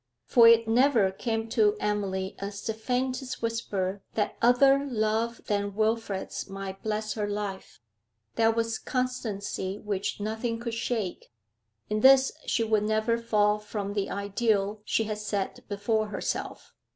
For it never came to Emily as the faintest whisper that other love than Wilfrid's might bless her life. That was constancy which nothing could shake; in this she would never fall from the ideal she had set before herself.